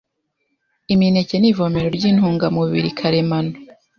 Imineke ni ivomero ry’intungamubiri karemano,